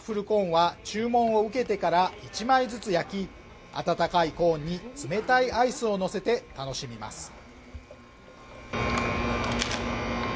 コーンは注文を受けてから１枚ずつ焼き温かいコーンに冷たいアイスをのせて楽しみます